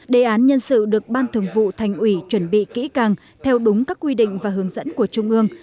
đề án nhân sự được ban thường vụ thành ủy chuẩn bị kỹ càng theo đúng các quy định và hướng dẫn của trung ương